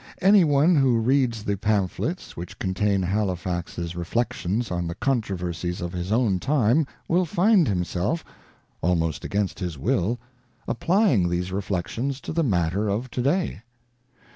Any one who reads the pamphlets which contain Halifax's reflections on the controversies of his own time will find himself, almost against his will, applying these reflections to the matter of to day.